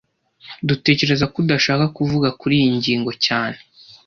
Dutekereza ko udashaka kuvuga kuriyi ngingo cyane